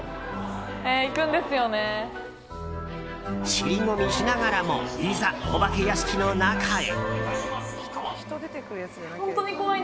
尻込みしながらもいざ、お化け屋敷の中へ。